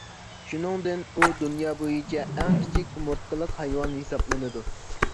شۇنىڭدىن ئۇ دۇنيا بويىچە ئەڭ كىچىك ئومۇرتقىلىق ھايۋان ھېسابلىنىدۇ.